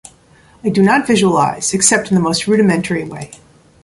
I do not visualize except in the most rudimentary way.